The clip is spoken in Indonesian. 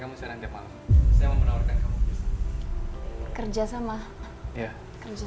kasah cuma kalau kita temensa